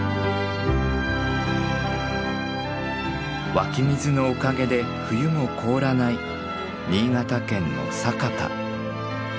湧き水のおかげで冬も凍らない新潟県の佐潟。